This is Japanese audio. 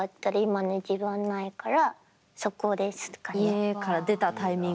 家から出たタイミング。